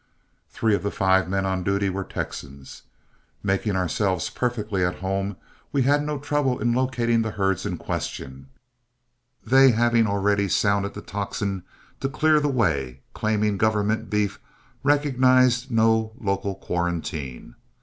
Three of the five men on duty were Texans. Making ourselves perfectly at home, we had no trouble in locating the herds in question, they having already sounded the tocsin to clear the way, claiming government beef recognized no local quarantine.